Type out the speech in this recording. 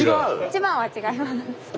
一番は違います。